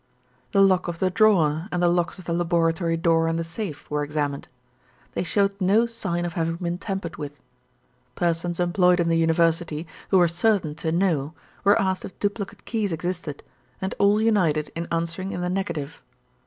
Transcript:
"The lock of the drawer, and the locks of the laboratory door and the safe, were examined. They showed no sign of having been tampered with. Persons employed in the University, who were certain to know, were asked if duplicate keys existed, and all united in answering in the negative.